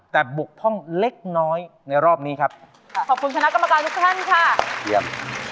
แต่บุกพ่องเล็กน้อยในรอบนี้ครับค่ะขอบคุณคณะกรรมการทุกท่านค่ะเยี่ยม